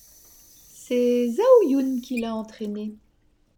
C'est Zhao Yun qui l'a entraîné.